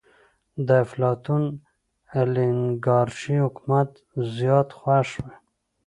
د افلاطون اليګارشي حکومت زيات خوښ وي.